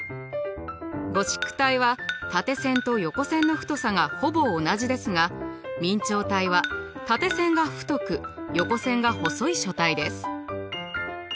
ゴシック体は縦線と横線の太さがほぼ同じですが明朝体は縦線が太く横線が細い書体です。